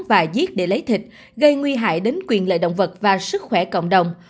và giết để lấy thịt gây nguy hại đến quyền lợi động vật và sức khỏe cộng đồng